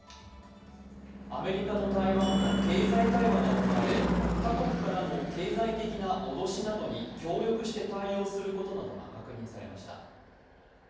アメリカと台湾の経済対話が行われ、他国からの経済的な脅しなどに協力して対応することなどが確認されました。